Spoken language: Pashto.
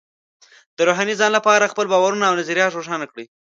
د روحاني ځان لپاره خپل باورونه او نظریات روښانه کړئ.